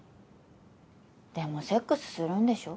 でもセックスするんでしょ？